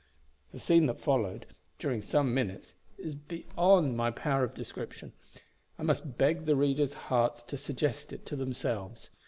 The scene that followed, during some minutes, is beyond my power of description; I must beg the readers' hearts to suggest it to themselves.